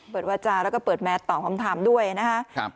วาจาแล้วก็เปิดแมสตอบคำถามด้วยนะครับ